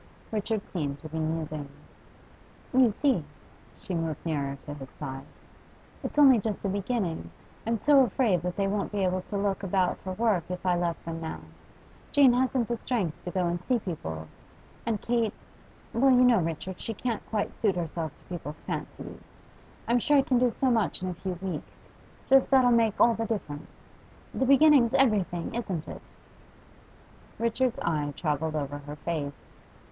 Richard seemed to be musing. 'You see' she moved nearer to his side, 'it's only just the beginning. I'm so afraid that they wouldn't be able to look about for work if I left them now. Jane hasn't the strength to go and see people; and Kate well, you know, Richard, she can't quite suit herself to people's fancies. I'm sure I can do so much in a few weeks; just that'll make all the difference. The beginning's everything, isn't it?' Richard's eye travelled over her face.